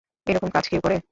এরকম কাজ কেউ করে?